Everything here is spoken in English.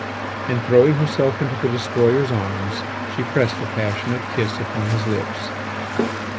And throwing herself into the destroyer's arms she pressed a passionate kiss upon his lips.